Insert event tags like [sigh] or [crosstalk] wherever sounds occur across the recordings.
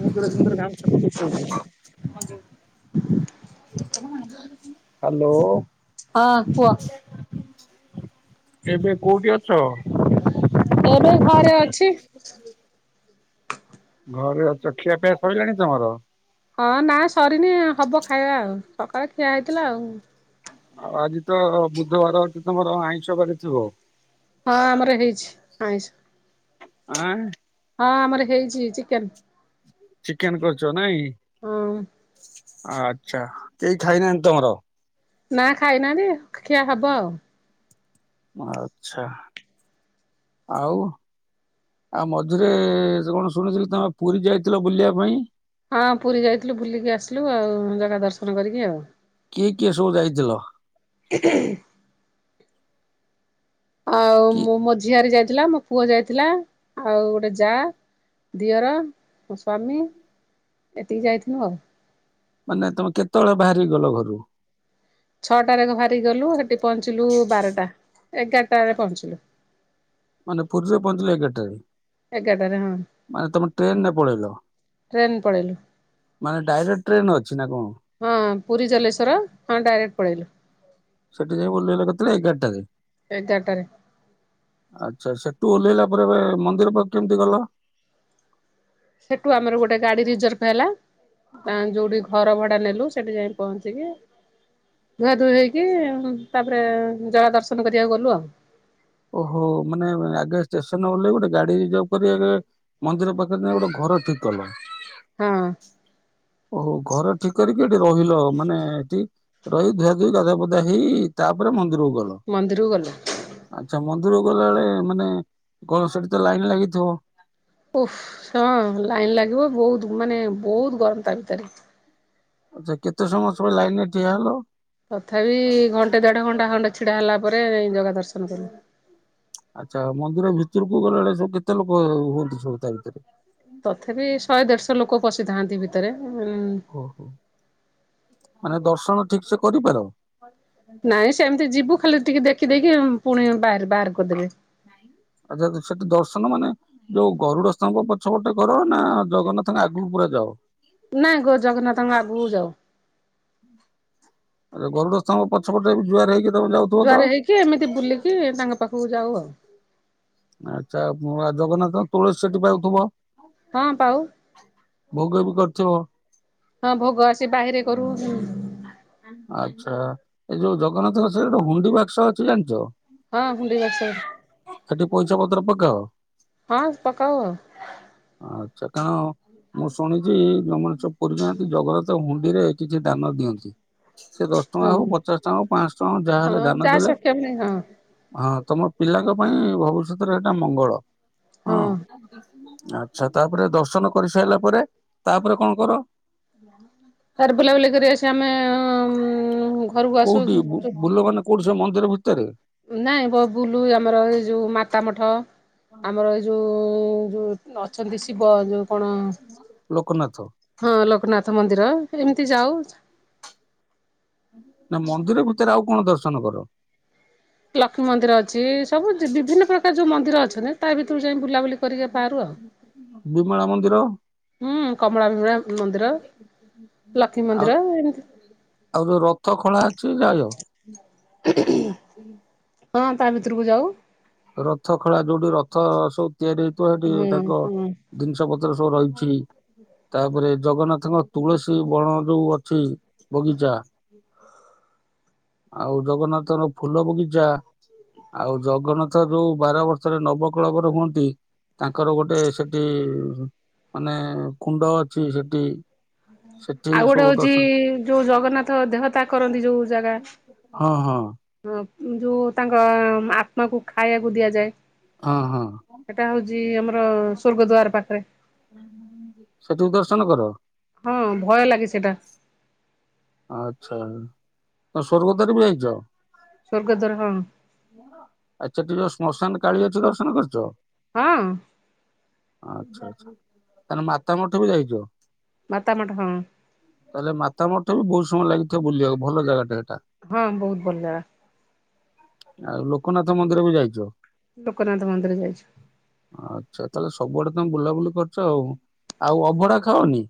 ମୁଁ କେଡେ ସୁନ୍ଦର ଗାମୁଛା [unintelligible] ହାଲୋ। ହଁ କୁହ? ଏବେ କୋଉଠି ଅଛ? ଏବେ ଘରେ ଅଛି। ଘରେ ଅଛ, ଖିଆପିଆ ସଇଲାଣି ତମର? ହଁ ନା ସରିନି ହବ ଖାଇବା ଆଉ, ସକାଳେ ଠିଆ ହେଇଥିଲା ଆଉ। ଆଉ ଆଜି ତ ବୁଧବାର ଅଛି, ତମର ଆଇଁଷ କରିଥିବ। ହଁ ଆମର ହେଇଛି ଆଇଁସ। ଆଁ ଆ। ହଁ ଆମର ହେଇଛି ଚିକେନ। ଚିକେନ କରୁଛ ନାଇଁ? ହଁ ଅଁ। ଆଛା, କେହି ଖାଇନାହାନ୍ତି ତମର? ନା ଖାଇନାନ୍ତି ଖିଆ ହବ ଆଉ। ଆଛା ଆଉ? ଆଉ ମଝିରେ କଣ ଶୁଣିଥିଲି, ତମେ ପୁରୀ ଯାଇଥିଲ ବୁଲିବା ପାଇଁ? ହଁ ପୁରୀ ଯାଇଥିଲୁ ବୁଲିକି ଆସିଲୁ ଆଉ, ଜଗା ଦର୍ଶନ କରିକି ଆଉ। କିଏ କିଏ ସବୁ ଯାଇଥିଲ? [unintelligible] ଆଉ କି ମୁଁ ମୋ ଝିଆରି ଯାଇଥିଲା ମ ପୁଅ ଯାଇଥିଲା, ଆଉ ଗୋଟେ ଯା, ଦିଅର, ମୋ ସ୍ୱାମୀ। ଏତିକି ଯାଇଥିଲୁ ଆଉ। ମାନେ ତମେ କେତେବେଳେ ବାହାରିକି ଗଲ ଘରୁ? ଛଅଟାରେ ବାହାରିକି ଗଲୁ, ସେଠି ପହଞ୍ଚିଲୁ ବାରଟା, ଏଗାରଟାରେ ପହଞ୍ଚିଲୁ। ମାନେ ପୁରୀ ରେ ପହଞ୍ଚିଲ ଏଗାରଟାରେ। ଏଗାରଟାରେ ହଁ ମାନେ ତମେ ଟ୍ରେନ ରେ ପଳେଇଲ। ଟ୍ରେନ ପଳେଇଲୁ। ମାନେ ଡାଇରେକ୍ଟ ଟ୍ରେନ୍ ଅଛି ନା କଣ? ହଁ ପୁରୀ ଜଲେଶ୍ଵର, ହଁ ଡାଇରେକ୍ଟ ପଳେଇଲୁ। ସେଠି ଯାଇ [unintelligible] ଏଗାରଟାରେ? ଏଗାରଟାରେ। ଆଛା, ସେଠୁ ଓହ୍ଲେଇଲା ପରେ ଏ ମନ୍ଦିର ପାଖକୁ କେମିତି ଗଲ? ସେଠୁ ଆମର ଗୋଟେ ଗାଡି ରିଜର୍ଭ ହେଲା। ତା ଯୋଉଠି ଘର ଭଡା ନେଲୁ ସେଠି ଯାଇ ପହଞ୍ଚିକି ଧୁଆ ଧୁଇ ହେଇକି, ତାପରେ ଜଗା ଦର୍ଶନ କରିବାକୁ ଗଲୁ ଆଉ। ଓହୋ, ମାନେ ଆଗେ ଷ୍ଟେସନ ଓଲେଇ ଗୋଟେ ଗାଡି ରଜର୍ଭ କରି ମନ୍ଦିର ପାଖରେ ଗୋଟେ ଘର ଠିକ କଲ, ହଁ ଓହୋ ଘର ଠିକ କରିକି ଏଠି ରହିଲ ମାନେ ଏଠି ରହି ଧୁଆ ଧୁଇ ଗାଧୁଆ ପାଧୁଆ ହେଇ ତାପରେ ମ ମନ୍ଦିରକୁ ଗଲ? ଆଛା, ମନ୍ଦିରକୁ ଗଲାବେଳେ ମାନେ ଗଣ ସେଠି ତ ଲାଇନ ଲାଗିଥିବ? ଓହ, ହଁ ଲାଇନ ଲାଗିବ ବହୁତ ମାନେ ବହୁତ ଗରମ ତା ଭିତରେ। ଆଛା, କେତେ ସମୟ ସବ ଲାଇନ ରେ ଠିଆ ହେଲ? ତଥାପି ଘଣ୍ଟେ ଦେଢ ଘଣ୍ଟା ଖଣ୍ଡେ ଛିଡା ହେଲା ପରେ ଜଗା ଦର୍ଶନ କଲୁ। ଆଛା, ମନ୍ଦିର ଭିତରକୁ ଗଲାବେଳେ ସବୁ କେତେ ଲୋକ ହୁଅନ୍ତି ସବୁ ତା ଭିତରେ? ତଥାପି ଶହେ ଦେଢଶହ ଲୋକ ପଶିଥାନ୍ତି ଭିତରେ, ଉଁ ଉଁ ଓହୋ, ମାନେ ଦର୍ଶନ ଠିକି ସେ କରିପାର ନାଇଁ ସେମିତି ଯିବୁ ଖାଲି ଟିକେ ଦେଖିଦେଇକି ପୁଣି ବାହାର ବାହାର କରିଦେବେ। ଆଛା, ସେଠି ଦର୍ଶନ ମାନେ ଯଉ ଗରୁଡସ୍ଥବ ପଛପଟେ କର ନା ଜଗନ୍ନାଥଙ୍କ ଆଗକୁ ପୁରା ଯାଅ? ନାଇଁ ଗୋ ଜଗନ୍ନାଥଙ୍କ ଆଗକୁ ଯାଉ ଆ ଗରୁଢସ୍ଥବ ପଛପଟେବି ଜୁଆର ହେଇଛି ଜୁଆରେ ହେଇକି ଏମିତି ବୁଲିକି ତାଙ୍କ ପାଖକୁ ଯାଉ ଆଉ। ଆଚ୍ଛା ଜଗନ୍ନାଥ ତୁଳସୀ ସେଠି ପାଉଥିବ। ହଁ ପାଉ। ଭୋଗ ବି କରିୁଥିବ ହଁ ଭୋଗ ଆସି ବାହିରେ କରୁ। ଆଚ୍ଛା ଏଇ ଯୋଉ ଜଗନ୍ନାଥଙ୍କ ସେ ଜେଉ ଗୁଣ୍ଡି ବାକ୍ସ ଅଛି ଜାଣଛ। ହଁ ହୁଡି ବସ ସେଠି ପଇସା ପତ୍ର ପକାଅ? ହଁ ପକାଉ। ଆଚ୍ଛା କାରଣ ମୁଁ ଶୁଣିଚ୍ଛି [unintelligible] ସବୁ ନାହାନ୍ତି ଜଗନ୍ନାଥ ହୁଣ୍ଡିରେ କିଛି ଦାନ ଦିଅନ୍ତି। ସେ ଦଶ ଟଙ୍କା ହୁଁ। ହଉ ପଚାଶ ଟଙ୍କା ହଉ ପାଞ୍ଚ ଟଙ୍କା ହଁ ଜାହାଦେଲେ ଯାହା ଦାନଦେଲେ ସକ୍ଷମ ଧାନ ନାହିଁ ହଁ ଦେଲେ- ହଁ ତମ ପିଲାଙ୍କ ପାଇଁ ଭବିଷ୍ୟତରେ ଏଇଟା ମଙ୍ଗଳ ହଁ। ଆଚ୍ଛା ତାପରେ ଦର୍ଶନ କରି ସାରିଲା ପରେ ତାପରେ କଣ କର? ଗାମ [inaudible] ତାପରେ ବୁଲାବୁଲି କରି ଆସିବା ଆମେ ଘରକୁ ଆସୁ କୋଉଠି ବୁଲ ମାନେ କୋଉଠି ସେ ମନ୍ଦିର ଭିତରେ? ନାହିଁ ବ ବୁଲୁ ଆମର ଏଇ ଯେଉଁ ମାତା ମଠ ଆମର ଏ ଯେଉଁ ଯେଉଁ ଅଛନ୍ତି ଶିବ ଯୋଉ କଣ? ଲୋକନାଥ ହଁ ଲୋକନାଥ ମନ୍ଦିର ଏମିତି ଯାଉ। ନା ମନ୍ଦିର ଭିତରେ ଆଉ କଣ ଦର୍ଶନ କର? ଲକ୍ଷ୍ମୀ ମନ୍ଦିର ଅଛି ସବୁ ବିଭିନ୍ନ ପ୍ରକାର ଯୋଉ ମନ୍ଦିର ଅଛନ୍ତି। ତା ଭିତରୁ ଯାଇ ବୁଲାବୁଲି କରିକା ପାରୁ ଆଉ ବିମଳା ମନ୍ଦିର। ହୁଁ କମଳା ଭିମଳା ମନ୍ଦିର ଲକ୍ଷ୍ମୀ ଆଉ ମନ୍ଦିର ଏମତି ଆଉ ଯୋଉ ରଥ ଖଳା ଅଛି ଯାହା ହଁ ତା ଭିତରକୁ ଯାଉ। ରଥ ଖୋଳା ଯୋଉଠି ରଥ ସବୁ ତିଆରି ହେଇଥିବ ସେଠି ହୁଁ ତାଙ୍କ ହୁଁ। ଜିନିଷ ପତ୍ର ସବୁ ରହିଛି। ତାପରେ ଜଗନ୍ନାଥଙ୍କ ତୁଳସୀ ବଣ ଯୋଉ ଅଛି ବଗିଚା। ହୁଁ ଆଉ ଜଗନ୍ନାଥଙ୍କ ଫୁଲ ବଗିଚା ଆଉ ଜଗନ୍ନାଥ ଯଉ ବାର ବର୍ଷରେ ନବକୁଳବର ହୁଅନ୍ତି। ତାଙ୍କର ଗୋଟେ ସେଠି ମାନେ କୁଣ୍ଡ ଅଛି ସେଠି। ସୋ ଆଉ ଗୋଟେ ହଉଛି ଯୋଉ ଜଗନ୍ନାଥ ଦେହତା କରନ୍ତି ଯୋଉ ଜାଗା। ହଁ ହଁ। ହଁ ଯୋଉ ତାଙ୍କ ଆତ୍ମାକୁ ଖାଇବାକୁ ଦିଆଯାଏ। ହଁ ହଁ ସେଟା ହଉଛି ଆମର ସ୍ୱର୍ଗ ଦ୍ବାର ପାଖରେ। ସେଠିବି ଦର୍ଶନ କର। ହଁ ଭୟ ଲାଗେ ସେଟା। ଆଚ୍ଛା ତ ସ୍ୱର୍ଗଦ୍ବାର ବି ଯାଇଛ। ସ୍ୱର୍ଗ ଦ୍ବାର ହଁ। ଆଚ୍ଛା ସେଠି ଯୋଉ ଶ୍ମଶାନ କାଳୀ ଅଛି ଦର୍ଶନ କରିଛ। ହଁ। ଆଚ୍ଛା ଆଚ୍ଛା ତାହେଲେ ମାତାମଠ ବି ଯାଇଛ? ମତ ମଟ ହଁ। ତାହେଲେ ମାତା ମର୍ଟ ବି ବହୁତ ସମୟ ଲାଗିଥିବ ବୁଲିବାକୁ ଭଲ ଜାଗାଟା ଏଇଟା। ହଁ ବହୁତ ଭଲ ଜାଗା। ଆଉ ଲୋକନାଥ ମନ୍ଦିର ବି ଯାଇଚ। ଲୋକ ନାଥ ମନ୍ଦିର ଯାଇଚି। ଆଚ୍ଛା ତାହେଲେ ସବୁଆଡେ ତମେ ବୁଲାବୁଲି କରୁଚ ଆଉ ଆଉ ଅଭଡା ଖାଅନି।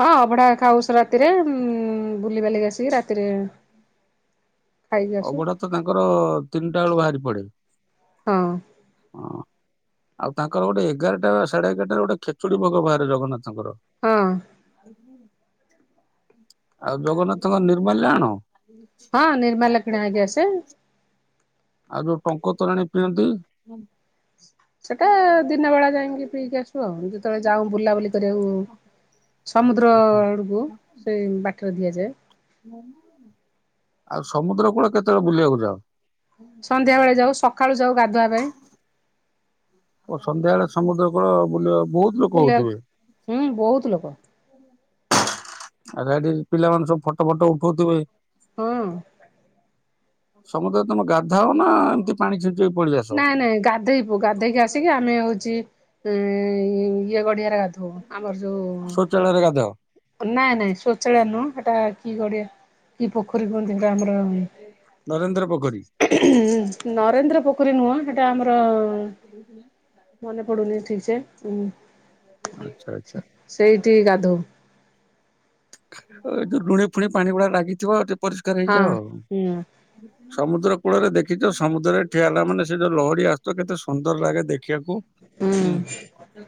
ହଁ ଅଭଡା ଖାଉସ ରାତିରେ ବୁଲିିବାଲିିକି ଆସିକି ରାତିରେ ଖାଇକି ଆସୁ ଅବଢା ତ ତାଙ୍କର ତିନିଟା ବେଳୁ ବାହାରି ପଡେ ହଁ ହଁ। ଆଉ ତାଙ୍କର ଗୋଟେ ଏଗାରଟା ବା ସାଢେ ଏଗାରଟାରେ ଗୋଟେ ଖେଚୁଡି ଭୋଗ ବାହାରେ ଜଗନ୍ନାଥଙ୍କର। ହଁ। ଆଉ ଜଗନ୍ନାଥଙ୍କ ନିର୍ମଲ୍ୟା ଆଣ। ହଁ ନିର୍ମାଲ୍ୟ କିଣା ହେଇକି ଆସେ। ଆଉ ଯୋଉ ଟଙ୍କ ତୋରାଣୀ ପିଅନ୍ତି। ସେଟା ଦିନ ବେଳା ଯାଇକି ପିଇକି ଆସୁ। ଆଉ ଯେତେବେଳେ ଯାଉ ବୁଲାବୁଲି କରିବାକୁ ସମୁଦ୍ର ଆଡ଼କୁ ଟେ ବାଟରେ ଦିଆଯାଏ। ଆଉ ସମୁଦ୍ର କୂଳ କେତେବେଳେ ବୁଲିବାକୁ ଯାଅ। ସନ୍ଧ୍ୟା ବେଳେ ଯାଉ ସକାଳୁ ଯାଉ ଗାଧୁଆ ପାଇଁ। ଓ ସନ୍ଧ୍ୟା ବେଳେ ସମୁଦ୍ର କୁଳ ବୁଲିବା ଭୁଲ୍। ବୁଲିବା ହୁଁ ବହୁତ ଲୋକ। ଆ ଗଠି ପିଲାମାନେ ସବୁ ଫଟୋ ଫଟୋ ଉଠଉଥିବେ। ହଁ ସମୁଦ୍ର ରେ ତମେ ଗାଧାଅ ନା ଏମିତି ପାଣି ଛିଞ୍ଚି ହେଇ ପଡିଯା। ନାଇଁ ନାଇଁ ଗାଧୋଇବୁ ଗାଧେଇକି ଆସିକି ଆମେ ହଉଛି ଇ ଇଏ ଗଡିଆରେ ଗାଧୋଇ ଆମର ଶୌଚାଳୟରେ ଗାଧାଅ ଯୋଉ ନାଇଁ ନାଇଁ ଶୋଚାଳୟ ନୁହଁ ସେଟା କି ଗଡ଼ିଆ କି ପୋଖରୀ କୁହନ୍ତି ତ ଆାମର ନରେନ୍ଦ୍ର ପୋଖରୀ ନରେନ୍ଦ୍ର ପୋଖ ଖରୀ ନୁହଁ ସେଟା ଆମର ମନେ ପଡୁନି ଠିକ ସେ ଉ ଆଚ୍ଛା ଆଚ୍ଛା। ସେଇଠି ଗାଧଉ। ଯୋଉ ଲୁଣି ଫୁଣି ପାଣି ଉଡ଼ା ଲାଗିଥିବ ଟିକେ ପରିଷ୍କାର ହଁ ହେଇଯାଅ। ହୁଁ ସମୁଦ୍ର କୂଳରେ ଦେଖିଛ ସମୁଦ୍ରରେ ଠିଆ ହେଲା ମାନେ ସେ ଯୋଉ ଲହଡ଼ି ଆସୁଥିବା କେତେ ସୁନ୍ଦର ଲାଗେ ଦେଖ ଖିବାକୁ ହୁଁ ହୁଁ।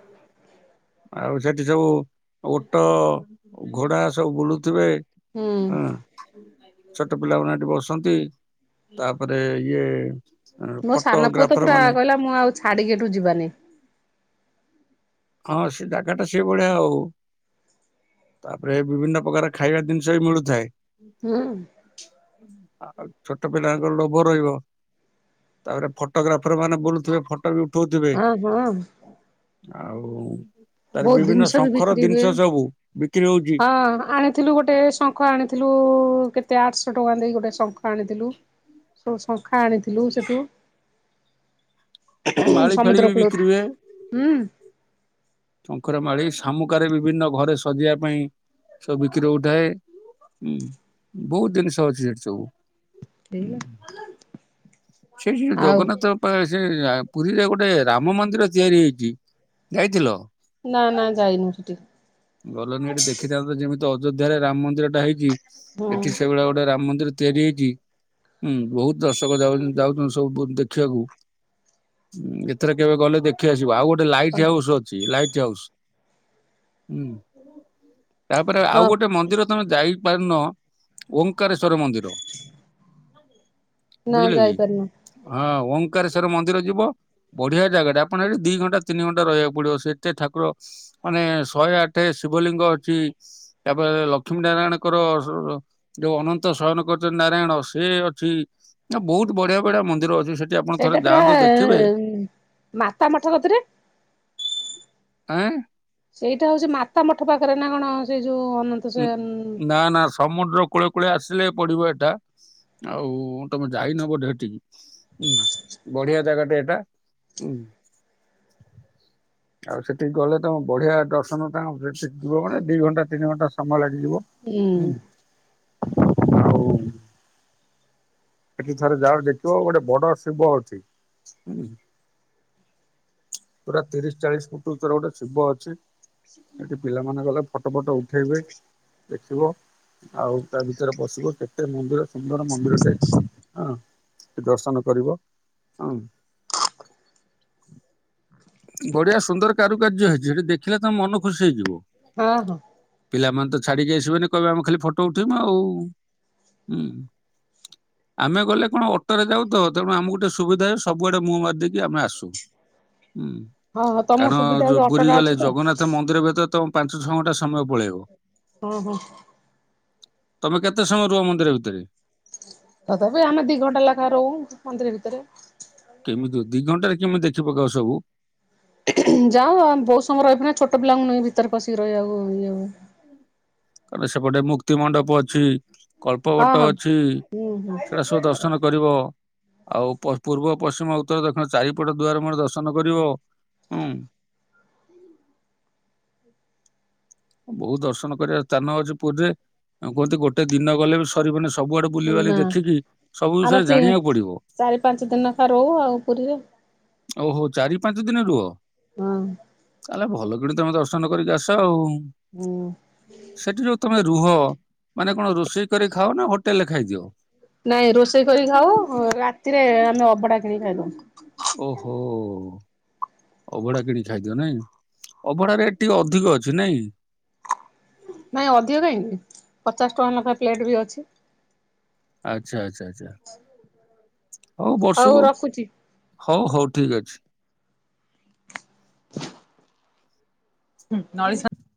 ଆଉ ସେଠି ସବୁ ଓଟ ଘୋଡା ସବୁ ବୁଲୁ ଥିବେ ହୁଁ ହଁ। ଛୋଟ ପିଲାମାନେ ହେଠି ବସନ୍ତି ତାପରେ ଇଏ ମୋ ସାନ ପୁଅ ତ ଫଟଗ୍ରାଫର ପୁରା ମାନେ କହିଲା ମୁଁ ଆଉ ଛାଡିକି ଏଠୁ ଯିବାନି ହଁ ସେ ଜାଗା ଟା ସେଏ ଭଳିଆ ଆଉ। ତାପରେ ବିଭିନ୍ନ ପ୍ରକାର ଖାଇବା ଜିନିଷ ବି ମିଳୁଥାଏ। ହୁଁ। ଆଉ ଛୋଟ ପିଲାଙ୍କର ଲୋଭ ରହିବ। ତାପରେ ଫଟୋଗ୍ରାଫର ମାନେ ବୁଲୁଥିବେ ଫଟୋ ବି ଉଠଉଥିବେ। ହଁ ହଁ। ଆଉ ତାର ବହୁତ ବିଭିନ୍ନ ଜିନିଷ ବି ଶଙ୍ଖର ବିକ୍ରି ଜିନିଷ ହୁଏ ସବୁ ବିକ୍ରି ହଉଛି ହଁ ଆଣିଥିଲୁ ଗୋଟେ ଶ ଶଙ୍ଖ ଆଣିଥିଲୁ କେତେ ଆଠଶହ ଟଙ୍କା ଦେଇ ଗୋଟେ ଶଙ୍ଖ ଆଣିଥିଲୁ। ସବୁ ଶଙ୍ଖା ଆଣିଥିଲୁ ସେଠୁ। ହଁ ମାଳି ଫାଳି ସମୁଦ୍ର ବି କୁଳ ବିକ୍ରି ହୁଏ। ହୁଁ। ଶଙ୍ଖର ମାଳି ଶାମୁକାରେ ବିଭିନ୍ନ ଘରେ ସଜେଇବା ପାଇଁ ସବୁ ବିକ୍ରି ହୋଉଥାଏ। ହୁଁ ବହୁତ ଜିନିଷ ଅଛି ସେଠି ସବୁ ହଁ। ହେଇଗଲା ସେଠି ସେଇ ଆଉ ଜଗନ୍ନାଥ ପା ସେ ପୁରୀରେ ଗୋଟେ ରାମ ମନ୍ଦିର ତିଆରି ହେଇଚି ଯାଇଥିଲ। ନା ନା ଯାଇନୁ ସେଠିକ। ଗଲନି ଏଠି ଦେଖିଥାନ୍ତ ଯେମିତି ଅଯୋଧ୍ୟାରେ ରାମ ମନ୍ଦିର ଟା ହେଇଛି ହୁଁ ଏଠି ସେଇଭଳିଆ ଗୋଟେ ରାମ ମନ୍ଦିର ତିଆରି ହେଇଛି ହୁଁ ବହୁତ ଦର୍ଶକ ଯାଉ ଯାଉଛନ୍ତି ସବୁ ଦେଖିବାକୁ। ଏଥରେ କେବେ ଗଲେ ଦେଖି ଆସିବ ଆଉ ଗୋଟେ ଲାଇଟ୍ ହାଉସ୍ ଅଛି, ଲାଇଟ୍ ହାଉସ୍। ହୁଁ, ତାପରେ ହଁ ଆଉ ଗୋଟେ ମନ୍ଦିର ତମେ ଯାଇପାରନ, ଓଙ୍କାରେଶ୍ଵର ମନ୍ଦିର। ନା ବୁଝିଲେ କି, ଯାଇପାରୁନୁ ହଁ ଓଙ୍କାରେଶ୍ଵର ମନ୍ଦିର ଯିବ। ବଢିଆ ଜାଗାଟା ଆପଣ ଏଠି ଦି ଘଣ୍ଟା ତିନି ଘଣ୍ଟା ରହିବାକୁ ପଡିବ ସେତେ ଠାକୁର ମାନେ ଶହେ ଆଠ ଶିବଲିଙ୍ଗ ଅଛି, ତାପରେ ଲକ୍ଷ୍ମୀ ନାରାୟଣଙ୍କର ଯୋଉ ଅନନ୍ତ ଶୟନ କରିଛନ୍ତି ନାରାୟଣ ସେ ଅଛି, ନା ବହୁତ ବଢିଆ ବଢିଆ ମନ୍ଦିର ଅଛି ସେଠି ଆପଣ ଥରେ ସେଇଟା ପରା ଯାଆନ୍ତୁ ଦେଖିବେ ମାତା ମଠ କତିରେ। ଆଁ? ସେଇଟା ହଉଛି ମାତା ମଠ ପାଖରେ ନା କଣ ସେଇ ଯୋଉ ଅନ ନା ନା ସମୁଦ୍ର କୂଳେ କୂଳେ ଆସିଲେ ପଡିବ ଏଟା, ଆଉ ତମେ ଯାଇନ ବୋଧେ ସେଠିକି। ହୁଁ ବଢିଆ ଜାଗା ଟା ଏଇଟା ହୁଁ। ଆଉ ସେଠିକି ଗଲେ ତମ ବଢିଆ ଦର୍ଶନ ତାଙ୍କ ସେଠ ଯିବ ମାନେ ଦି ଘଣ୍ଟା ତିନି ଘଣ୍ଟା ସମୟ ଲାଗିଯିବ, ହୁଁ ହୁ ଆଉ ସେଠି ଥରେ ଯାଅ ଦେଖିବ ଗୋଟେ ବଡ ଶିବ ଅଛି, ହୁଁ। ପୁରା ତିରିଶ ଚାଳିଶ ଫୁଟ ଉଚ୍ଚର ଗୋଟେ ଶିବ ଅଛି, ସେଠି ପିଲାମାନେେ ଗଲେ ଫଟୋ ଫଟ ଉଠେଇବେ ଦେଖିବ, ଆଉ ତା ଭିତରେ ପଶିବ କେତେ ମନ୍ଦିର ସୁନ୍ଦର ମନ୍ଦିରଟେ, ହଁ ସେ ଦର୍ଶନ କରିବ ହୁଁ। ହ ବଢିଆ ସୁନ୍ଦର କାରୁକାର୍ଯ୍ୟ ହେଇଛି ସେଠି ଦେଖିଲେ ତମେ ମନ ଖୁସି ହେଇଯିବ। ହଁ ହଁ। ପିଲାମାନେ ତ ଛାଡିକି ଆସିବେନି କହିବେ ଆମ ଖାଲି ଫଟୋ ଉଠେଇମୁ ଆଉ ହୁଁ। ଆମେ ଗଲେ କଣ ଅଟୋରେ ଯାଉ ତ ତେଣୁ ଆମକୁ ଟିକେ ସୁବିଧା ହୁଏ ସବୁଆଡେ ମୁହଁ ମାରିଦେଇକି ଆମେ ଆସୁ। ହୁଁ, ହଁ ହଁ ତମ କାରଣ ସୁବିଧା ହଉଛି ଯୋଉ ପୁରୀ ଅଟୋଟା ଗଲେ ଅଛି ତ ଜଗନ୍ନାଥ ମନ୍ଦିର ଭିତରେ ତମ ପାଞ୍ଚ ଛଅ ଘଣ୍ଟା ସମୟ ପଳେଇବ। ଓହୋ। ତମ କେତେ ସମୟ ରୁହ ମନ୍ଦିର ଭିତରେ? ତଥାପି ଆମେ ଦି ଘଣ୍ଟା ଲେଖା ରହୁ ମନ୍ଦିର ଭିତରେ। କେମିତି ଦି ଘଣ୍ଟାରେ କେମି ଦେଖି ପକାଅ ସବୁ? ଯାଉ ଆଉ ବହୁତ ସମୟ ରହିବ ନା ଛୋଟ ପିଲାଙ୍କୁ ନେଇକି ଭିତରେ ପସିକି ରହିବାକୁ ଇଏ ହୁଏ। ତାପରେ ସେପଟେ ମୁକ୍ତି ମଣ୍ଡପ ଅଛି। କଳ୍ପ ହଁ ବଟ ହଁ ଅଛି, ହୁଁ ସେଗୁଡ଼ା ସବୁ ଦର୍ଶନ କରିବ। ଆଉ ପ-ପୂର୍ବ, ପଶ୍ଚିମ, ଉତ୍ତର, ଦକ୍ଷିଣ ଚାରିପଟ ଦୁଆର ମୁହଁ ରେ ଦର୍ଶନ କରିବ, ହୁଁ। ବହୁତ ଦର୍ଶନ କରିବା ସ୍ଥାନ ଅଛି ପୁରୀରେ, କୁହନ୍ତି ଗୋଟେ ଦିନ ଗଲେ ବି ସ ବନି, ସବୁଆଡେ ହୁଁ ବୁଲିିବାଲି ନା ଦେଖିକି ସବୁ ଆମେ ବିଷୟରେ ଜାଣିବାକୁ ପଡିବ। ଚାରି ପାଞ୍ଚ ଦିନ ଆ ରହୁ ଆଉ ପୁରୀରେ। ଓ ହୋ ଚାରି ପାଞ୍ଚ ଦିନ ରୁହ? ହଁ। ତାହେଲେ ଭଲକିଣି ତମେ ଦର୍ଶନ କରିକି ଆସ ଆଉ, ହୁଁ ସେଠି ଯୋଉ ତମେ ରୁହ ମାନେ କଣ ରୋଷେଇ କରି ଖାଅ ନା ହୋଟେଲରେ ଖାଇଦିଅ? ନାଇଁ ରୋଷେଇ କରି ଖାଉ, ରାତିରେ ଆମେ ଅବଢା କିଣିକି ଖାଇଦଉ। ଓହୋ। ଅଭଢା କିଣି ଖାଇଦିଅ ନାଇଁ, ଅଭଢା ରେଟ୍ ଟିକେ ଅଧିକ ଅଛି ନାଇଁ? ନାଇଁ ଅଧିକ କାହିଁକି ପଚାଶ ଟଙ୍କା ଲେଖା ପ୍ଲେଟ୍ ବି ଅଛି। ଆଚ୍ଛା ଆଚ୍ଛା ଆଚ୍ଛା, ହଉ ବର୍ଷକୁ ହଉ ହଉ ଠିକ ଅଛି। ହୁଁ ନଈ ସ